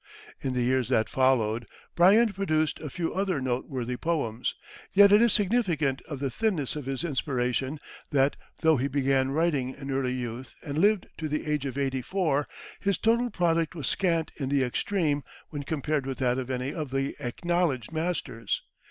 In the years that followed, Bryant produced a few other noteworthy poems, yet it is significant of the thinness of his inspiration that, though he began writing in early youth and lived to the age of eighty four, his total product was scant in the extreme when compared with that of any of the acknowledged masters.